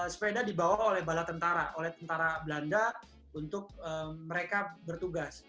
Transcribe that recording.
sepeda dibawa oleh bala tentara oleh tentara belanda untuk mereka bertugas